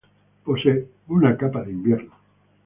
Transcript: Posee una capa de invierno.